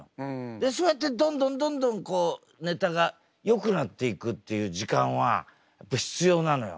でそうやってどんどんどんどんネタがよくなっていくっていう時間はやっぱ必要なのよ。